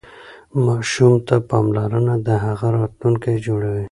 ماشوم ته پاملرنه د هغه راتلونکی جوړوي.